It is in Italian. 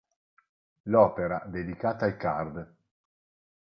L'opera, dedicata al card.